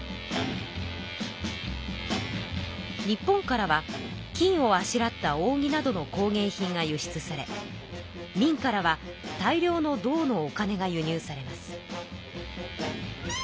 日本からは金をあしらったおうぎなどの工芸品が輸出され明からは大量の銅のお金が輸入されます。